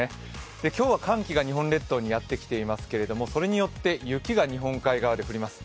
今日は寒気が日本列島にやってきていますけれどもそれによって雪が日本海側で降ります。